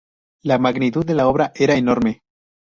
La magnitud de la obra era enorme.